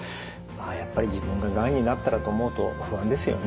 やっぱり自分ががんになったらと思うと不安ですよね。